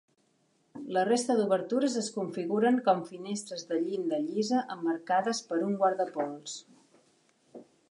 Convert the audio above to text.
La resta d'obertures es configuren com finestres de llinda llisa emmarcades per un guardapols.